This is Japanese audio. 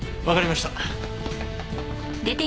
わかりました。